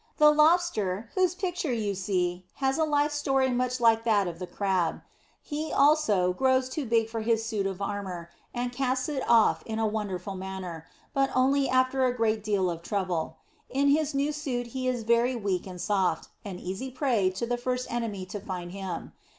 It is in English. The Lobster, whose picture you see, has a life story much like that of the Crab. He, also, grows too big for his suit of armour, and casts it off in a wonderful manner, but only after a great deal of trouble. In his new suit he is very weak and soft an easy prey to the first enemy to find him.